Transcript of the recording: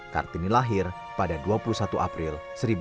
kartini lahir pada dua puluh satu april seribu delapan ratus tujuh puluh sembilan